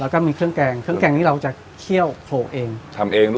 แล้วก็มีเครื่องแกงเครื่องแกงนี้เราจะเคี่ยวโขลกเองทำเองด้วย